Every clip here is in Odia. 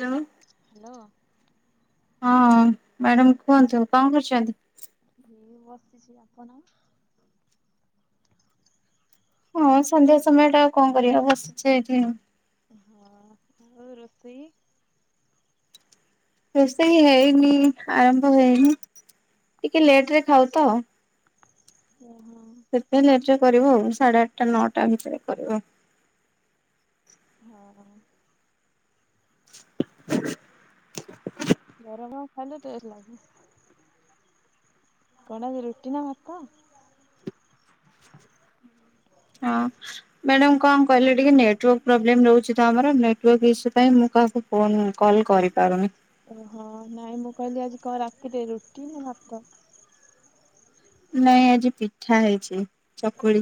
ହ୍ୟାଲୋ। ହ୍ୟାଲୋ! ହଁ, ମ୍ୟାଡାମ କୁହନ୍ତୁ, କଣ କରୁଛନ୍ତି? ଏଇ ବସିଛି। ଆପଣ? ହଁ, ସନ୍ଧ୍ୟା ସମୟଟା ଆଉ କଣ କରିବା? ବସିଛି ଏଇଠିଁ। ହଁ, ଆଉ ରୋଷେଇ? ରୋଷେଇ ହେଇନି, ଆରମ୍ଭ ହେଇନି, ଟିକେ ଲେଟ୍ ରେ ଖାଉ ତ! ଓ ହୋ। ସେଥିପାଇଁ ଲେଟ ରେ କରିବୁ ଆଉ। ସାଢେ ଆଠଟା ନଅଟା ଭିତରେ କରିବ। ହଁ-ଅଁ [inaudible] ଗରମ ଖାଇଲେ ଟେଷ୍ ଲାଗେ। କଣ ଆଜି ରୁଟି ନା ଭାତ? ହଁ, ମ୍ୟାଡାମ କଣ କହିଲେ? ଟିକେ ନେଟୱାର୍କ ପ୍ରୋବ୍ଲେମ ରହୁଛି ତ ଆମର, ନେଟୱକ ଇସୁ ପାଇଁ ମୁଁ କାହାକୁ ଫୋନ୍ କଲ୍ କରିପାରୁନି? ଓହୋ! ନାଇଁ ମୁଁ କହିଲି, ଆଜି କଣ ରାତିିରେ ରୁଟି ନା ଭାତ? ନାଇଁ ଆଜି ପିଠା ହେଇଛି। ଚକୁଳି!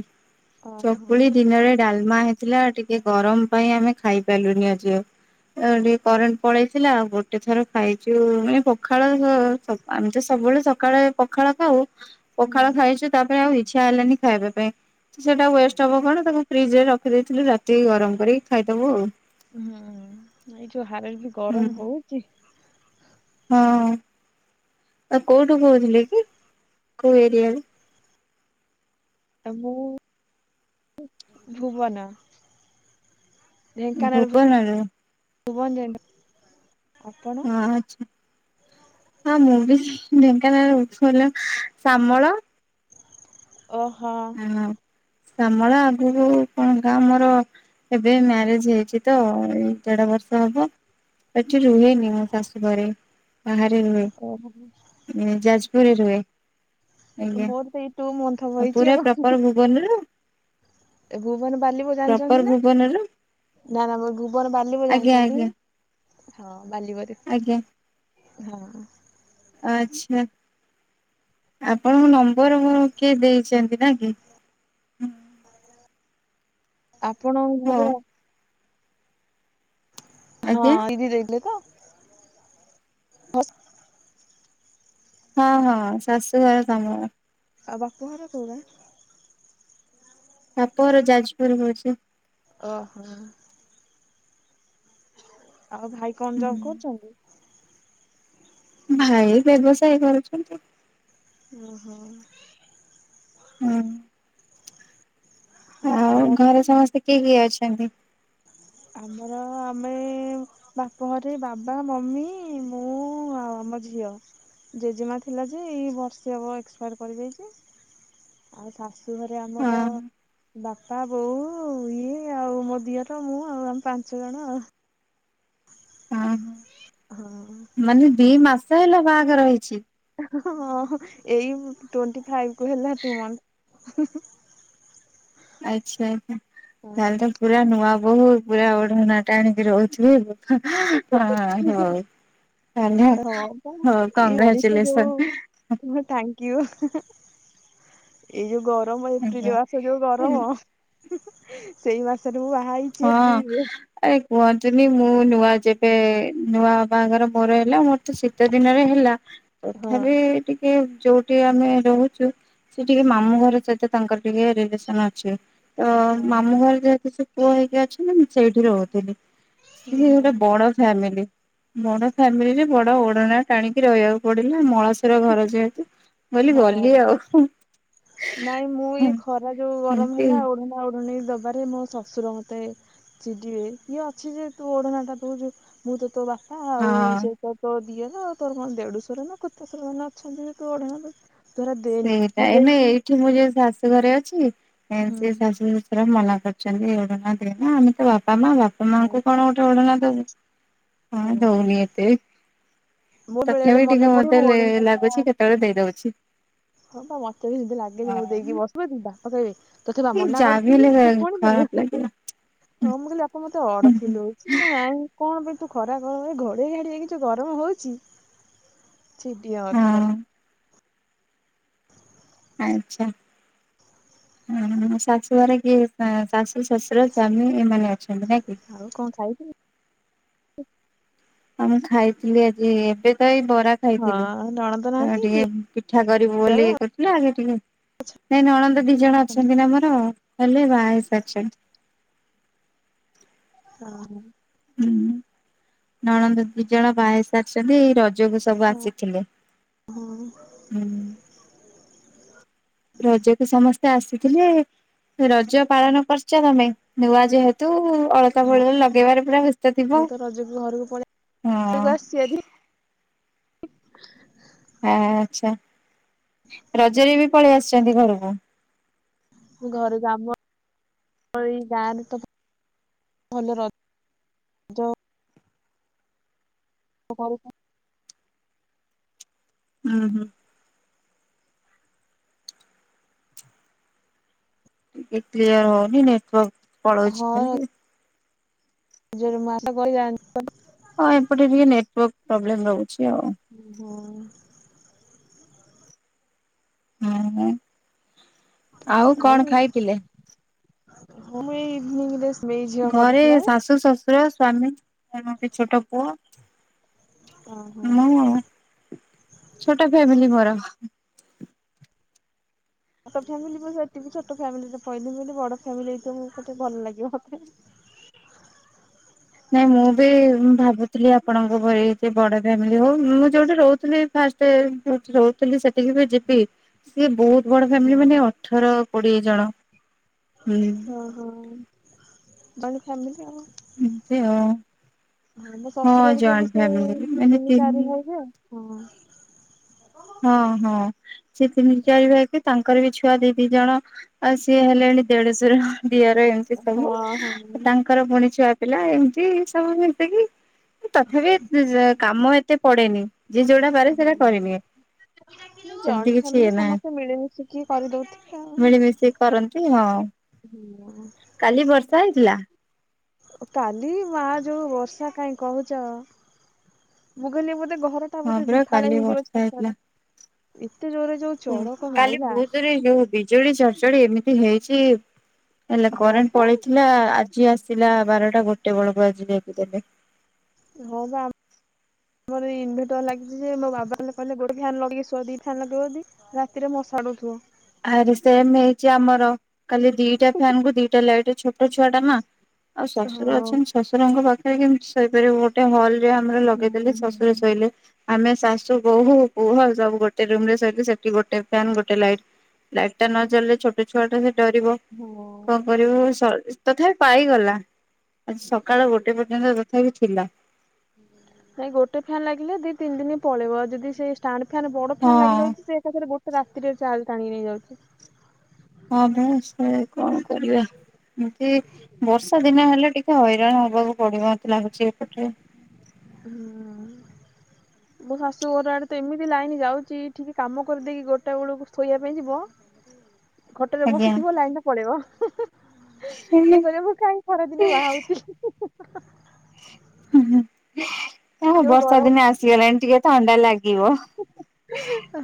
ଓହୋ ଚକୁଳି ଦିନରେ ଡାଲ୍ ଲ୍ ମା ହେଇଥିଲା ଟିକେ ଗରମ ପାଇଁ, ଆମେ ଖାଇ ପାରିଲୁନି ଆଜି ଆଉ। ଟିକେ କରେଣ୍ଟ ପଳେଇଥିଲା। ଆଉ ଗୋଟେ ଥର ଖାଇଛୁ-ଉ ମାନେ ପଖାଳ ସଅ ସ ଆମେ ତ ସ ସବୁବେଳେ ସକାଳେ ପଖାଳ ଖାଉ। ପଖାଳ ହୁଁ। ଖାଇଛୁ ତା'ପରେ ଆଉ ଇଚ୍ଛା ହେଲାନି ଖାଇବା ପାଇଁ। ସେଇଟା ୱେଷ୍ଟ ହବ କଣ? ତାକୁ ଫ୍ରିଜ୍ ରେ ରଖିଦେଇଥିଲି। ରାତିକି ଗରମ କରିକି ଖାଇଦବୁ ଆଉ। ହୁଁ, ଏଇ ଯୋଉ ହାରରେ ହୁଁ। ଗରମ ହଉଛି। ହଁ। ଆଉ କୋଉଠୁ କହୁଥିଲେ କି? କୋଉ ଏରିଆରୁ? ଏ ମୁଁ ଉ ଭୁବନ। ଢେଙ୍କାନାଳ ଭୁବନରୁ। ଭୁବନ ଯେଣ୍ଡ। ହଁ ଆଛା। ହଁ, ମୁଁ ବି ଢେଙ୍କାନାଳ ଉଛୁଲ୍ୟ ଶାମଳ। ଅହ। ଶ୍ୟାମଳ ଆଗକୁ କଣ ଗାଁ ମୋର? ଏବେ ମ୍ୟାରେଜ ହେଇଛି ତ! ଏଇ ଦେଢ଼ ବ ର୍ଷ ହବ [unintelligible] ଠୀ ରୁହେନି ମୋ ଶାଶୁ ଘରେ ବାହାରେ ରୁହେ ଓହୋ ଯାଯ୍ ଘରେ ରୁହେ। ଆଜ୍ଞା ମୋର ସେଇ ଟୁ ମନ୍ତ୍ର ଆଉ ହବ ଏଇ ପୁରା ପ୍ରପର୍ ଭୁବନରୁ? ଏ ଭୁବନ ବାଲିିବ ପ୍ରପର ଜାଣିଚନ୍ତି ନା? ଭୁବନରୁ ନା ନା ଭୁବନ ବାଲିବ ଆଜ୍ଞା ଜାଣିଚନ୍ତି ଆଜ୍ଞା। ହଁ ବାଲିବରେ। ଆଜ୍ଞା ହଁ। ଆଛା। ଆପଣଙ୍କ ନମ୍ବର କିଏ ଦେଇଚନ୍ତି ନା କି। ଆପଣ ହଁ। ଘର ହଁ ଆଜ୍ଞା ଦିଦି ଦେଇଲେତ ହଁ ହଁ ଶାଶୁଘର ତମର। ଆଉ ବାପଘର କୋଉ ଗାଁ।? ବାପଘର ଯାଜପୁର ହୋଉଚି। ଓହୋ। ଆଉ ଭାଇ କଣ ଜବ ହୁଁ କରୁଚନ୍ତି? ଭାଇ ବ୍ୟବସାୟ କରୁଛନ୍ତି। ଓ ହୋ। ହୁଁ। ଆଉ ଭଲ ଅଛି। ଘରେ ସମସ୍ତେ କିଏ କିଏ ଅଛନ୍ତି? ଆମର ଆମେ ବାପ ଘରେ ବାବା ମମି ମୁଁ ଆଉ ମୋ ଝିଅ ଜେଜେମା ଥିଲା ଯେ ଏଇ ବର୍ଷେ ହେବ ଏକ୍ସ୍ ପାୟାର୍ କରିଯାଇଚି। ଆଉ ସାସ୍ ଘରେ ଆମର ହଁ ବାପା ବୋଉ ଇଏ ଆଉ ମୋ ଦିଅର ମୁଁ ଆଉ ଆମ ପାଞ୍ଚ ଜଣ ଆଉ। ହଁ ହଁ। ମାନେ ଦି ମାସ ହେଲା ବାହାଘର ହେଇଚି? ହଁ ଏଇ ଟୋଣ୍ଟି ଫାଇପ୍ କୁ ହେଲା ଟୁ ମନ୍ତ୍ର। ଆଚ୍ଛା ତାଲେ ତ ମନ୍ଥ। ପୁରା ନୂଆ ବୋହୁତ୍ ପୁରା ଓଢଣା ଟାଣିକି ରହୁଥିବେ ହଁ ହୋଉ। କାନ୍ହା ହଁ ପା ହଁ ଏଇ କଂଗ୍ରାଚୁଲେସନ୍। କିସ୍ ଏଇ ଯୋଉ ଗରମ ଆଜ୍ଞା ଏପ୍ରିଲି ମାସ ଯୋଉ ହଁ। ଗରମ। ସେଇ ମାସରେ ମୁଁ ବାହା ହେଇଚି ଏପ୍ରିଲି ରେ। ଆରେ କୁହନ୍ତୁନି ମୁଁ ନୂଆ ଯେବେ ନୂଆ ବାହାଘରର ମୋର ହେଲା ମୋର ତ ଶୀତ ଦିନରେ ହେଲା। ହଁ ତଥାପି ଟିକେ ଯୋଉଠି ଆମେ ରହୁଚୁ ସେ ଟିକେ ମାମୁଁ ଘର ସହିତ ତାଙ୍କର ଟିକେ ରିଲେସନ ଅଛି। ତ ହଁ ମାମୁଁ ଘରେ ଯେହେତ ସେ ପୁଅ ହେଇକି ଅଛି ନା ମୁଁ ସେଇଠି ରହୁଥିଲି। ସିଏ ହଁ। ଗୋଟେ ବଡ ଫ୍ୟାମିଲି। ବଡ ଫ୍ୟାମିଲିରେ ବଡ ଓଡଣା ଟାଣିକି ରହିବାକୁ ପଡିଲା ମଳସୁର ଘର ଯେହେତୁ। କଇଲି ଗଲି ହଁ। ଆଉ। ନାଇଁ ମୁଁ ଏଇ ଖରା ଯୋଉ ଗରମ ଏମତି ହେଲା ଓଢଣା ଓଢଣି ଦବାରେ ମୋ ଶଶୁର ମତେ ଚିଡିବେ କିଇଏ ଅଛି ଯେ ତୁ ଓଢଣା ଟା ଦୋଉଚୁ ମୁଁ ତ ତୋ ବାପା ଆଉ ହଁ ସେ ତ ତୋ ଦିଅର ତୋର କଣ ଦେଢଶୁର ନା କେତେଶୁର ମାନେ ଅଛିନ୍ତି ଯେ ତୁ ଓଢଣା ଦୋଉ ତୁ ହେରା ଦେନି ସେଇଟା ମୁଁ ଏଇନେ ଦେଇକି ଏଇଠି ମୁଁ ଯୋଉ ଶାଶୁ ଘରେ ଅଛି ହୁଁ ସେ ଶାଶୁ ଶଶୁର ମନା କରୁଚନ୍ତି ଓଡଣା ଦେନା ଆମେ ତୋ ବାପା ମା ବାପା ହଁ ମାଙ୍କୁ ପା କଣ ଗୋଟେ ଓଡଣା ଦୋବୁ। ହଁ ଦୋଉନି ଏତେ। ମୋ ବେଳେ ତଥାପି ବେଳେ ବି ମନେ ଟିକେ ପଡେ ମତେ ମୁଁ ଓଢଣା ଟା ଲାଗୁଛି କେତେବେଳେ ଦେଇ ଦୋଉଛି। ହଁ ପା ମତେ ବି ସେମିତି ଲାଗେ ଯେ ମୁଁ ଦେଇକି ବସିପଡି ବାପା କଇବେ ତତେପା ମନା ଯାହାବି କରିଥିଲି ହେଲେ ତୁ ପୁଣି ଦେଲୁ ଖରାପ ହଁ ଲାଗିବ ମୁଁ କଇଲି ବାପା ମ ଅଡ ଫିଲ୍ ହଉଛି ନା ନାଇଁ କଣ ପାଇଁ ତୁ ଖରା କର ଘୋଡେଇ ଘାଡିଆ କିଛି ଗରମ ହଉଛି ସିଦି ହାତ ଖଲି ହଁ [inaudible] ଆଚ୍ଛା ହଁ ଶାଶୁଘରେ କିଏ ଶାଶୁ ଶଶୁର ସ୍ୱାମୀ ଏମାନେ ଅଛନ୍ତି। ନାଇଁ କି? ଆଉ କଣ ଖାଇଥିଲ? ହଁ ମୁଁ ଖାଇଥିଲି ଆଜି ଏବେ ତ ଏ ବରା ଖାଇଥିଲେ ହଁ ନଣନ୍ଦ ତ ନାହାନ୍ତି ଟିକେ ପିଠା ଗରିବ ବୋଲି ଦିଅର ଇଏ କରିଥିଲେ ଆଗେ ଟିକେ ନାଇଁ ନଣନ୍ଦ ଦି ଜଣ ଅଛନ୍ତି ନା ଆମର। ହେଲେ ବାଏସଚନ୍ [inaudible] ହଁ ହୁଁ ନଣନ୍ଦ ଦି ଜଣ ବାାଇ ସାରିଛନ୍ତି ରଜକୁ ସବୁ ଆସିଥିଲେ ଓହୋ ହୁଁ ରଜକୁ ସମସ୍ତେ ଆସିଥିଲେ। ରଜ ପାଳନ କରଛ କଣପାଇଁ ନୂଆ ଯେହେତୁ ଅଳକା ବୋଳି ବୋଳି ଲଗେଇବାରେ ପୁରା ବ୍ୟସ୍ତ ଥିବ ମୁଁ ତ ରଜକୁ ଘରକୁ ପଳେଇ ଘରକୁ ହଁ ଆସିଛି ଆଜି [inaudible] ହ ଆଛା ରଜରେ ବି ପଳେଇ ଆସିଛନ୍ତି ଘରକୁ ମୁଁ ଘର ଯାମ ଯା ତ [inaudible] ଭଲ ର ତାର [inaudible] ହୁଁ ହୁଁ ଟିକେ କ୍ଲିୟର ହଉନି ନେଟୱାର୍ ପଳଉଛି ଖାଲି। ଯର ମାସା କ ଜା [inaudible] ହଁ ଏପଟେ ଟିକେ ନେଟୱାର୍ ପ୍ରୋବ୍ଲେମ୍ ରହୁଛି ଆଉ ଜାଣିଛି ହଁ ହୁଁ ହଁ ଆଉ କଣ ଖାଇଥିଲେ? ହନିଂ ଦେ [inaudible] ଘରେ ଶାଶୁ ଶଶୁର ସ୍ଵାମୀ ଆ ଛୋଟ ପୁଅ ଓହୋ ମୁଁ ଛୋଟ ଫ୍ୟାମିଲି ମର। ଛୋଟ ଫ୍ୟାମିଲି ସେଠି ଛୋଟ ଫ୍ୟାମିଲିରେ ପହିଲି ବୋଲି ବଡ ଫ୍ୟାମିଲି ହେଇଥିବ ମ ମୋତେ ଭଲ ଲାଗିବ ମୋତେ। [inaudible] ନାଇଁ ମୁଁ ବି ଭାବୁଥିଲି ଆପଣଙ୍କ ଭ ବଡ ଫ୍ୟାମିଲି ହଉ ମୁଁ ଯୋଉଠି ରହୁଥିଲି ରହୁଥିଲି ସେଠିକି ବି ଯିବି ସିଏ ବହୁତ ବଡ ଫ୍ୟାମିଲି ମାନେ ହଁ ଅଠର କୋଡିଏ ଜଣ। ହୁଁ ଓ ହୋ ବାଣ ଫମିଲ ଆ ସେ ହ ହଁ ମୋ ଶ୍ୱଶୁରରିକ ବି ସେ ଫ୍ୟାମିଲି ମାନେ ତିନି ଚାରି ଭାଇ ଆ ହଁ ହଁ ହଁ ସେି ତିନି ଚାରି ଭାଇକ ତାଙ୍କର ବି ଛୁଆ ଦି ଦି ଜଣ ଆଉ ସିଏ ହେଲେ ଦେଢର ଦିଅର ଏମିତି ସବୁ ହଁ ହଁ। ତାଙ୍କର ପୁଣି ଛୁଆ ପିଲା ଏମିତି ସବୁ ମିତିକି ତଥାପି କାମ ଏତେ ପଡେନି ଯେି ଯୋଉଡା ବାରେ ସେଟା କରେନିଏ ହୁଁ ଜଏଣ୍ଟ ଫାମିଲି ସମସ୍ତେ ମିଳିମିଶିକି କରିଦଉଥିଲେ ଆଉ। ମିଳିମିଶି କରନ୍ତି ହଁ ହୁଁ ଥିଲା କାଲି ମା ଯୋଉ ବର୍ଷା କାହିଁ କହୁଛ, ମୁଁ କହିଲି ମୋତେ ୋେ ଘର ଟା ହଁ ବୋଧେ ପରା ଦିଫାଳେ କାଲି ହେଇଯିବ ବର୍ଷା ଛାତ ହେଇଥିଲା ଟା ଏତେ ଜୋରରେ ଯୋଉ ଚଢକ କାଲି ମାଇଲା ବହୁତ ଜୋରେ ଯୋଉ ବିଜୁଳି ଚଡଚଡି ଏମିତି ହେଇଛି ହେଲେ ହଁ କରେଣ୍ଟ ପା ପଳେଇଥିଲା ଆଜି ଆସିଲା ବାରଟା ଗୋଟେ ବେଳକୁ ଆଜି ଯାଇକି ଦେଲେ। ହଉ ବା ମୋର ଇନଭେଟର ଲାଗିଛି ଯେ ମୋ ବାବା ହେ କହିଲେ ଗୋଟେ ଫନ୍ ଲଗେଇୁଆ ଦି ଫନ୍ ଲଗେଇ ରାତିରେ ପଛାଡୁଛୁ ଆରେ ସେମ ହେଇଛି ଆମର କାଲି ଦିଟା ଫ୍ୟନ୍ କୁ ଦିଟା ଲାଇଟ ଛୋଟ ଛୁଆ ଟା ମା ଆଉ ହଁ ଶ୍ଶର ଅଛନ୍ତି ଶ୍ଶରଙ୍କ ପାଖରେ କେମତି ସେଇପିବ ଗୋଟେ ହଲ ଆମର ହୁଁ ଲଗେଇଦେଲେ ହୁଁ ଶଶୁରରେ ଶୋଇଲେ ଆମେ ଶାଶୁ ବୋହୂ ପୁହ ସବୁ ଗୋଟେ ରୁମ ରେ ସ ସେଠି ଗୋଟେ ଫ ଗୋଟେ ଲାଇଟ ଲାଇଟ ଟା ନ ଜଲିଲେ ଛୋଟ ଛୁଆ ଟା ସେ ଡରିବ ହଁ। କଣ କରିବ? ତଥାପି ପାଇଗଲା ଆଜି ସକାଳ ଗୋଟେ ପର୍ଯ୍ୟନ୍ତ ତଥାପି ଥିଲା ନାଇଁ ଗୋଟେ ଫ୍ୟନ୍ ଲାଗିଲେ ଦି ତିନି ଦିନ ପଳେଇବଉ ଯଦି ସେଇାଣ୍ଡ ଫନ୍ ବଡ ହଁ। ଫ୍ୟାନ୍ ଲାଗି ଯାଉଛି ସେ ପାରେ ଗୋଟେ ରାତିରେ ଚାଲ ଟାଣି ନେଇଯାଉଛି ହଁ ଭସ କଣ କରିବା ଏମତି ବର୍ଷା ଦିନ ହେଲେ ଟିକେ ହଇରାଣ ହବାକୁ ପଡିବ ମତେ ଲାଗୁଛି ଏପଟେ ହୁଁ। ମୋ ଶାଶୁ ଘର ଆଡେ ତ ଏମିତି ଲାଇନ ଯାଉଛି କେ କାମ କରିଦେଇକି ଗୋଟା ବେଳକୁ ଶୋଇବା ପାଇଁ ଯିବ ହଁ। ଘଟରେ ବସିଥିବ ଲାଇନ ଟା ପଳେଇବ। ଏ କ ମୁ କାହିଁ ଖରାଦିନ ଭ ଆଉଛି। ଆ ଯୋଉ ବର୍ଷା ଗରମ ଦିନ ଆସିଗଲାଣି ଟିକେ ଥଣ୍ଡା ଲାଗଛି।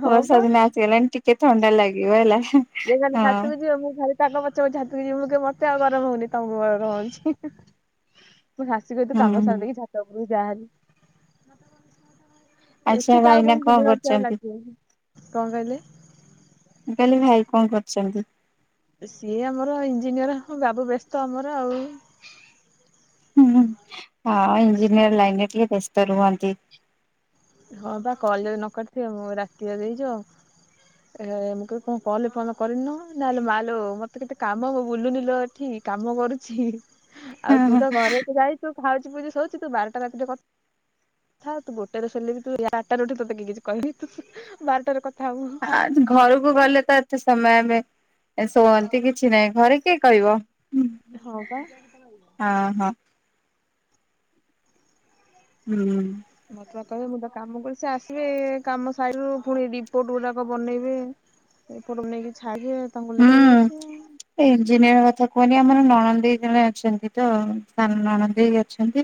ହଁ ପା ବର୍ଷ ଦିନ ଆସିଗଲାଣି ଟିକେ ଥଣ୍ଡା ଲାଗିବ ହେଲା ଯେ ଖା ହଁ ଶାଶକୁ ଯିବ ମୁଁ ଘା ତାଗ ପଛକୁ ଛାତକି ଯିବି ମୁଁ କି ମତେ ଆଉ ଗରମ ହଉନି ତମକୁ ଗରମ ହଉଛି। ମୁଁ ଶାଶୀ ସତୁ ହୁଁ କାମ ହୁଁ ସାରିଦେଇକି ଛାତ ଉପରୁ ଯାହାହଲି ଆଚ୍ଛା ଏସି ଟା ଆଉ ଭାଇନା କଣ ଦିନ ଧାର ଆଉ କରୁଛନ୍ତି? ଲାଗିବ କଣ କହିଲେ କାଲଲି ଭାଇ କଣ କରୁଛନ୍ତି? ସିଏ ଆମର ଇଞ୍ଜିନିୟର ଗବୁ ବ୍ୟସ୍ତ ଆମର ଆଉ। ହୁଁ ହଁ ଇଞ୍ଜିନିୟର ଲାଇନରେ ଟିକେ ବ୍ୟସ୍ତ ରୁହନ୍ତି। ହଁ ବା କଲ ଯ ନ କରିଥିବ ମୁ ରାତିରୋ ଦେଇଯୁ ଆଉ ମୁଁ କ କଣ କହିଲ ଫନ କରିନି ନହେଲେ ମାଲୁ ମତେ କେତେ କାମ ହବ ବୁଲୁନି ଲ ଠିକ। କାମ କରୁଛି ଆଉ ହୁଁ ତୁ ହୁଁ ତ ଘରେ ତୁ ଯାଇଛୁ। ଥାଉଛି ପୁଝି ଶଉଛି ତୁ ବାରଟା ରାତି କଥାଥାଉ ତୁ ଗୋଟେ ହେଲେ ବି ତୁରଟା ର ଉଠୁ ତତ କିଛି କହିବି ତୁ ବାରଟାରେ ହବୁ। ଆଁ ଘରକୁ ଗଲେ ତ ଏତେ ସମୟ ଆବେ ଏ ଶୁଅନ୍ତି କିଛି ନାହିଁ ଘରେ କିଏ କହିବ ହଉ ବା। ହଁ ହଁ ହୁଁ। ମତବ କହିଲେ ମୁଁ ତ କାମ କ ସେ ଆସିବେ କାମ ସାରୁ ପୁଣି ରିପୋର୍ଟ ଗୁଡାକ ବନେଇବେ ଏ ପଟକୁ ନେଇକି ଛାଯିବେ ତାଙ୍କୁ ଲେଟ ହେଇଯାଉଛି। ନି ଆମର ନଣ ଦେଇ ଜଣେ ଅଛନ୍ତି ତ ସାନ ନଣ ଦେଇଅଛନ୍ତି।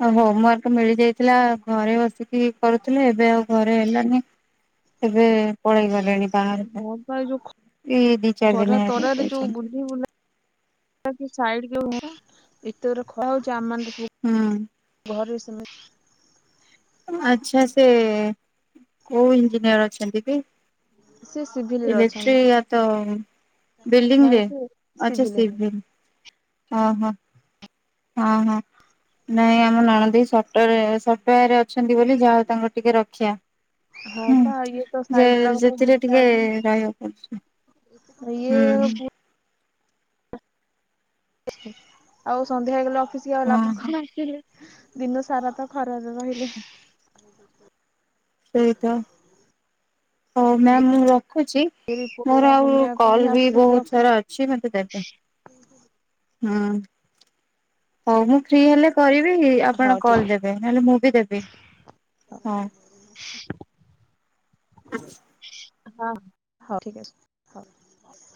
ଆଉ ହୋମ ୱାର୍କ ମିଳିଯାଇଥିଲା ଘରେ ବସିକି କରୁଥିଲେ ଏବେ ଆଉ। ଘରେ ହେଲାନି ଏବେ ପଳେଇ ଗଲେଣି ବାହାରକୁ ହଁ ତ ଯୋଉ ଏଇ ଦି ଚାରି ଦିନ ଖରା ହେଲା ତରରେ ଯୋଉ ଯାଇଛନ୍ତି ବୁଧି ବୁଲା। ସାଇଡ ହୁ ଭିତରେ ଖୁଆ ହଉଛି ଆମ ହୁଁ। ତମ ଆଚଛା ସେ କୋଉ ଇଞ୍ଜିନିୟର ଅଛନ୍ତି କି? ସେ ସିଭିଲରେ ଇଲେକ୍ଟ୍ରିକ ଅଛନ୍ତି ଏ ତ ବିଲ୍ଡିଂ ନାଇଁ ରେ ସେ ଆଛା ସିଭିଲ ଓ ହୋ। ହଁ ହଁ। ନାଇଁ ଆମ ନଣଦି ସ ସରେ ଅଛନ୍ତି ବୋଲି ଯାହା ହଉ ତାଙ୍କ ଟିକେ ରକ୍ଷା ହଁ ହୁଁ। ପା ଇଏ ତ ଯେ ସାଇଡ ର ସେଥିରେ ବୁଝିଲା ଟିକେ ରହିବାକୁ ପଡୁଛି ବେ। ୟେ ହୁଁ। ବୁ [unintelligible] ସାନ୍ଧ୍ୟ ହେଇଗଲେ ଅଫିସ ଆ ଲାଭ ଓହୋ। କଣ? [unintelligible] ଦିନ ସାରା ତ ଖରାରେ ରହିଲେ। ସେଇତ। ହଉ ମ୍ୟାମ୍ ମୁଁ ରଖୁଛି। ରିପୋର୍ଟ ଗୁଡା ମୋର ଆଉ ବନେଇବା ପାଇଁ କଲ ବି ଆସୁଛନ୍ତି ବହୁତ ଅଫିସ ସାରା ଅଛି ମତେ ଦେବେ। ହୁଁ ହଉ ମୁଁ ଫ୍ରି ହେଲେ କରିବି। ଇ ହଉ ଆପଣ ଠିକ କଲ ଦେବେ ନହଲେ ମୁଁ ବି ଦେବି ହଁ। [unintelligible] ହଁ ହଉ ଠିକ ଅଛି ହଉ ହଉ।